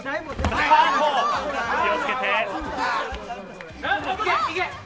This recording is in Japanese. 気を付けて。